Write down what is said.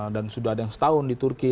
dan sudah ada yang setahun di turki